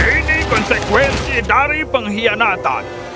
ini konsekuensi dari pengkhianatan